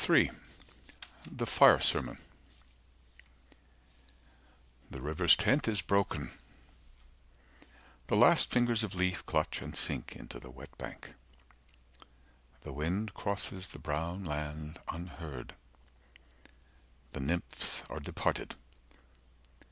III. THE FIRE SERMON The river's tent is broken: the last fingers of leaf Clutch and sink into the wet bank. The wind Crosses the brown land, unheard. The nymphs are departed.